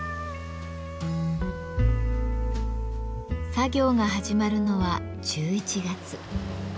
作業が始まるのは１１月。